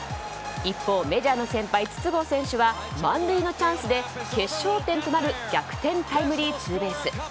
一方、メジャーの先輩筒香選手は満塁のチャンスで決勝点となる逆転タイムリーツーベース。